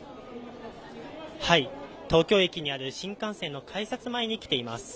東京駅にある新幹線の改札前に来ています